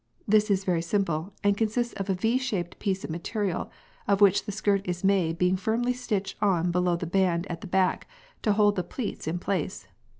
This is very simple, and consists of a V shaped piece of the material of which the skirt is made being firmly stitched on below the band at the back, to hold the pleats in place.